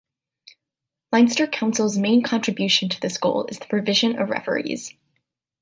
Leinster Council's main contribution to this goal is the provision of referees.